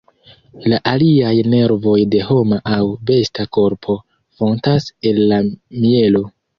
La aliaj nervoj de homa aŭ besta korpo fontas el la mjelo.